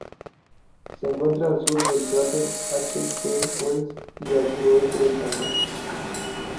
Se encuentra al sur del cráter H. G. Wells y al sureste de Cantor.